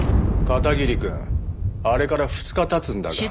片桐くんあれから２日経つんだが。